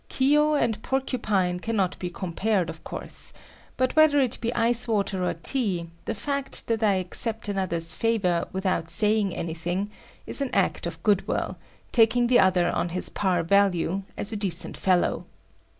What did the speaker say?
Kiyo and Porcupine cannot be compared, of course, but whether it be ice water or tea, the fact that I accept another's favor without saying anything is an act of good will, taking the other on his par value, as a decent fellow.